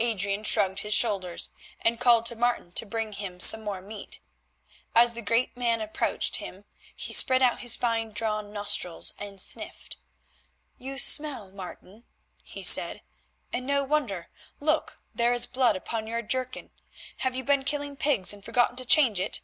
Adrian shrugged his shoulders and called to Martin to bring him some more meat. As the great man approached him he spread out his fine drawn nostrils and sniffed. "You smell, Martin," he said, "and no wonder. Look, there is blood upon your jerkin. Have you been killing pigs and forgotten to change it?"